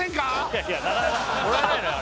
いやいやなかなかもらえないのよ